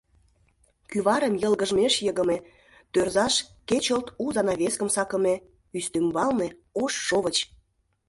Кӱварым йылгыжмеш йыгыме, тӧрзаш кечылт у занавескым сакыме, ӱстембалне — ош шовыч.